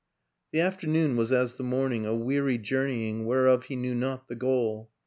The afternoon was as the morning a weary journeying whereof he knew not the goal.